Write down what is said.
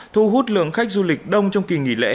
thu hút lượng khách du lịch đông trong kỳ nghỉ lễ